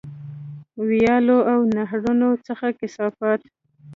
ویالو او نهرونو څخه کثافات.